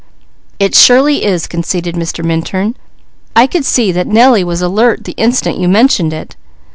"It surely is," conceded Mr. Minturn. "I could see that Nellie was alert the instant you mentioned it.